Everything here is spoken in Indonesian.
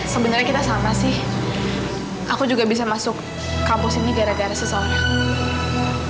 sebenarnya kita sama sih aku juga bisa masuk kampus ini gara gara seseorang